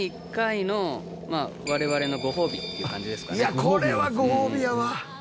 いやこれはごほうびやわ。